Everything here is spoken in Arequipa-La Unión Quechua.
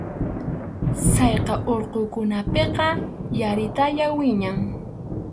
Sallqa urqukunapiqa yaritalla wiñan.